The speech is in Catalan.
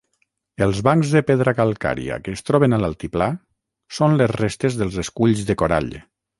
Els bancs de pedra calcària que es troben a l'altiplà són les restes dels esculls de corall.